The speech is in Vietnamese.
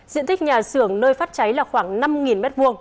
diện tích nhà xưởng nơi phát cháy là khoảng năm m hai